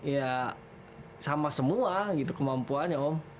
ya sama semua gitu kemampuannya om